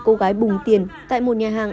cô gái bùng tiền tại một nhà hàng